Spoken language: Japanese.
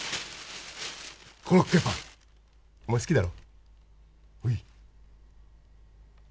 コロッケパンお前好きだろ？